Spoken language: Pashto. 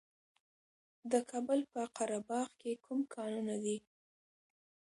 د کابل په قره باغ کې کوم کانونه دي؟